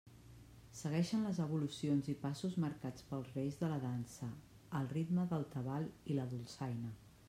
Segueixen les evolucions i passos marcats pels reis de la Dansa, al ritme del tabal i la dolçaina.